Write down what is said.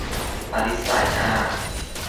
อลิซส่ายหน้า